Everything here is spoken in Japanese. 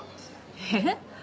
えっ？